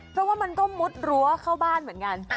เพราะว่ามันก็มุดรั้วเข้าบ้านเหมือนกัน